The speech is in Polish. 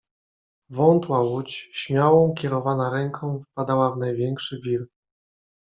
"Wątła łódź, śmiałą kierowana ręką, wpadała w największy wir."